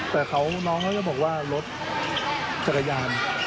แต่น้องเขาจะบอกว่ารถจักรยาน